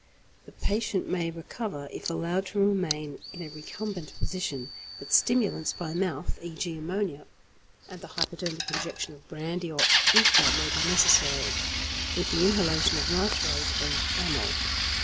The patient may recover if allowed to remain in a recumbent position, but stimulants by mouth e.g., ammonia and the hypodermic injection of brandy or ether may be necessary, with the inhalation of nitrite of amyl.